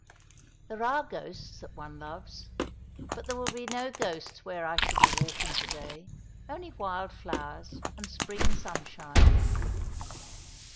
"There are ghosts that one loves. But there will be no ghosts where I shall be walking to day. Only wild flowers and spring sunshine."